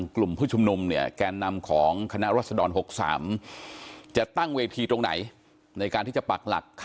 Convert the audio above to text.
กลุ่มผู้ชุมนุมเนี่ยแกนนำของคณะรัฐ